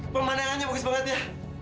pemandangannya bagus banget ya